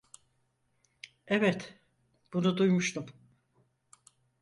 Evet, bunu duymuştum.